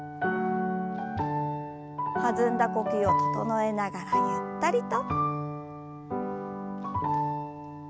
弾んだ呼吸を整えながらゆったりと。